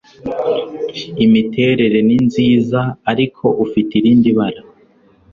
imiterere ni nziza, ariko ufite irindi bara